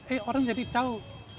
eh orang jadi tahu